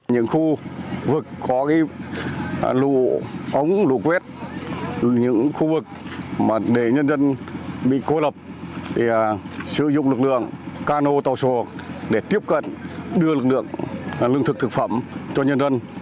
những khu vực có lũ ống lũ quét những khu vực để dân dân bị cô lập sử dụng lực lượng cano tàu sổ để tiếp cận đưa lực lượng lương thực thực phẩm cho dân dân